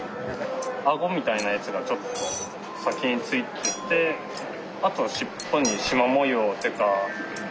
あごみたいなやつがちょっと先についててあとはしっぽにシマ模様っていうか。